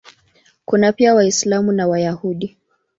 Kuna pia Waislamu na Wayahudi.